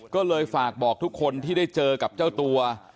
ก็เลยฝากบอกทุกคนที่ได้เจอกับเจ้าตัว